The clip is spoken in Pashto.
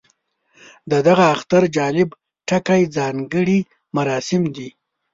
د دغه اختر جالب ټکی ځانګړي مراسم دي.